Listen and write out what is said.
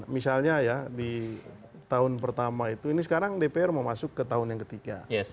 misalnya ya di tahun pertama itu ini sekarang dpr mau masuk ke tahun yang ketiga